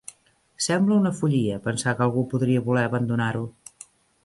Sembla una follia pensar que algú podria voler abandonar-ho.